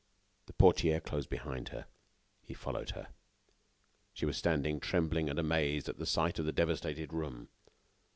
The portière closed behind her. He followed her. She was standing trembling and amazed at the sight of the devastated room.